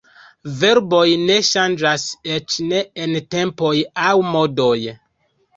Verboj ne ŝanĝas eĉ ne en tempoj aŭ modoj.